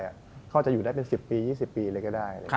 เขาจะอยู่ได้เป็น๑๐ปี๒๐ปีเลยก็ได้